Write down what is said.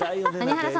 谷原さん